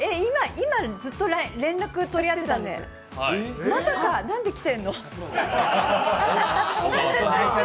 今、ずっと連絡取り合ってたんですまさか、何で来てんの？